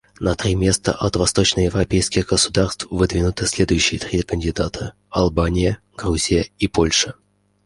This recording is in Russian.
На три места от восточноевропейских государств выдвинуты следующие три кандидата: Албания, Грузия и Польша.